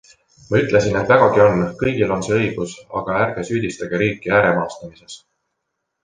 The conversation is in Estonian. Ma ütlesin, et vägagi on, kõigil on see õigus, aga ärge süüdistage riiki ääremaastamises.